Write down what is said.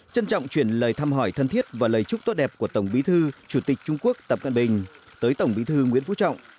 trân trọng chuyển lời thăm hỏi thân thiết và lời chúc tốt đẹp của tổng bí thư chủ tịch trung quốc tập cận bình tới tổng bí thư nguyễn phú trọng